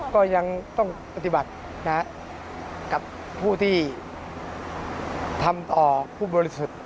ก็ยังต้องปฏิบัติกับผู้ที่ทำต่อผู้บริสุทธิ์